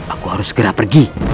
aku harus segera pergi